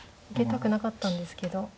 受けたくなかったんですけど。